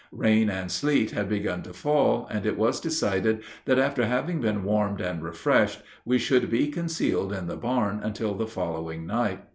Rain and sleet had begun to fall, and it was decided that after having been warmed and refreshed we should be concealed in the barn until the following night.